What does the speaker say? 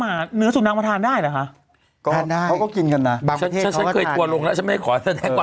มาเนื้อสุนน้ำมาทานได้หรอคะ